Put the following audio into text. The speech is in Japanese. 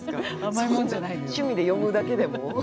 趣味で詠むだけでも。